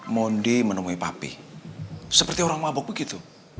mondi menemui papi seperti orang mabok begitu